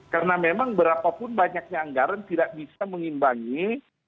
karena memang berapapun banyaknya anggaran tidak bisa mengimbangi